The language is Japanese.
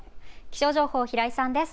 気象情報、平井さんです。